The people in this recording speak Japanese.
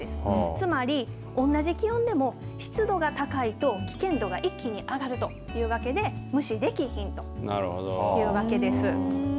つまり同じ気温でも湿度が高いと危険度が一気に上がるというわけで無視できひんというわけです。